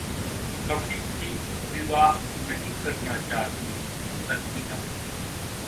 कभी भी विवाह नहीं करना चाहती हैं शकीरा